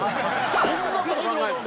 そんな事考えるの？